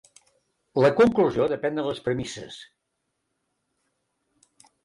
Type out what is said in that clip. La conclusió depèn de les premisses.